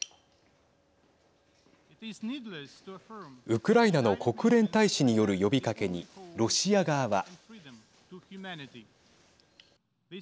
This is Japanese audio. ウクライナの国連大使による呼びかけにロシア側は。